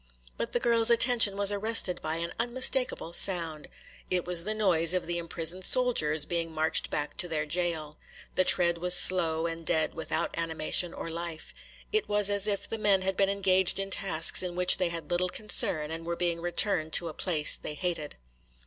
But the girl's attention was arrested by an unmistakable sound. It was the noise of the imprisoned soldiers being marched back to their jail. The tread was slow and dead, without animation or life. It was as if the men had been engaged in tasks in which they had little concern and were being returned to a place they hated.